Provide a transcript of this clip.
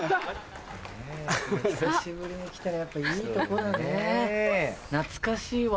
・久しぶりに来たやっぱいいとこだねぇ・懐かしいわ。